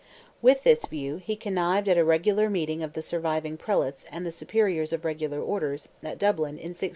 With this view, he connived at a meeting of the surviving prelates and the superiors of regular orders, at Dublin, in 1666.